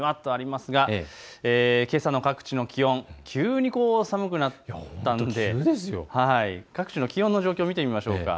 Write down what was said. けさの各地の気温、急に寒くなったんで各地の気温の状況を見てみましょう。